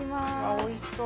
おいしそう。